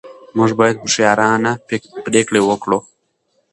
موږ باید هوښیارانه پرېکړې وکړو.